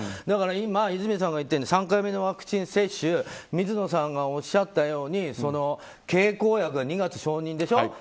だから今、和泉さんが言ったように３回目のワクチン接種水野さんがおっしゃったように経口薬が２月承認でしょ。